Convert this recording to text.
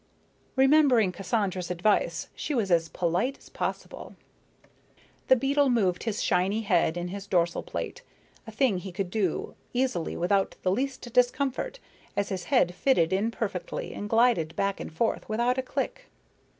Remembering Cassandra's advice she was as polite as possible. The beetle moved his shiny head in his dorsal plate, a thing he could do easily without the least discomfort, as his head fitted in perfectly and glided back and forth without a click.